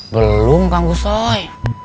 belum kang gusoy